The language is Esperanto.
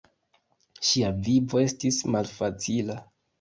Ŝia vivo estis malfacila.